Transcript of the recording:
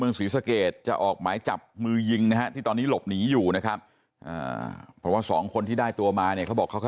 อือเขาก็เลยนั่งอยู่ตรงนั้น